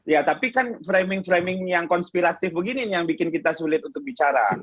ya tapi kan framing framing yang konspiratif begini nih yang bikin kita sulit untuk bicara